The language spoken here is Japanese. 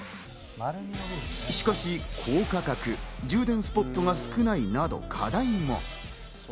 しかし高価格、充電スポットが少ないなど課題も。